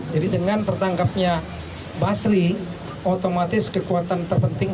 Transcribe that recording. jadi dengan tertangkapnya basri otomatis kekuatan terpenting